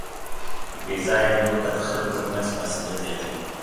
بېځایه نیوکه د خلکو ترمنځ فاصله زیاتوي.